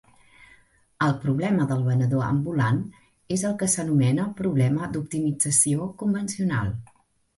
El problema del venedor ambulant és el que s'anomena problema d'optimització convencional.